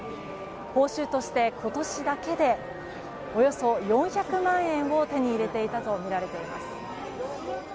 報酬として、今年だけでおよそ４００万円を手に入れていたとみられています。